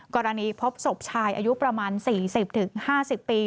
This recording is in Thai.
กรณีพบศพชายอายุประมาณ๔๐๕๐ปี